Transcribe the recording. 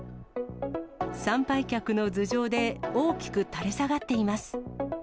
参拝客の頭上で大きく垂れ下がっています。